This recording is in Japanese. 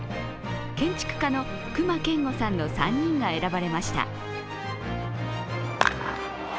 建築家の隈研吾さんの３人が選ばれました。